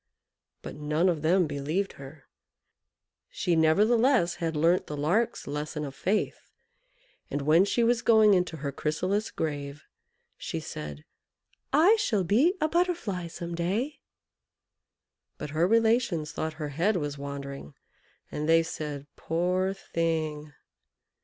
But none of them believed her. She nevertheless had learnt the Lark's lesson of faith, and when she was going into her chrysalis grave, she said "I shall be a Butterfly some day!" But her relations thought her head was wandering, and they said, "Poor thing!"